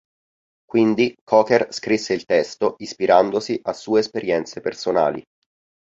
Quindi Cocker scrisse il testo ispirandosi a sue esperienze personali.